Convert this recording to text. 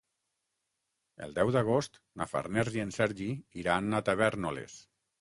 El deu d'agost na Farners i en Sergi iran a Tavèrnoles.